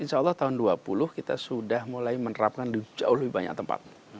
insya allah tahun dua puluh kita sudah mulai menerapkan jauh lebih banyak tempat